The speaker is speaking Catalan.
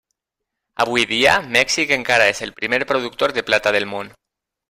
Avui dia, Mèxic encara és el primer productor de plata del món.